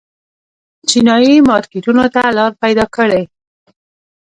چینايي مارکېټونو ته لار پیدا کړي.